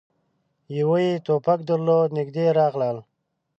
يوه يې ټوپک درلود. نږدې راغلل،